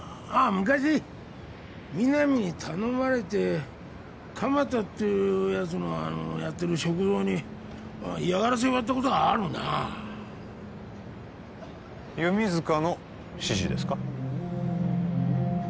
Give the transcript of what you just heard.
昔皆実に頼まれて鎌田っていうやつのやってる食堂に嫌がらせをやったことがあるな弓塚の指示ですか？